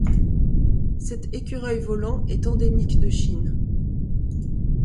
Cet écureuil volant est endémique de Chine.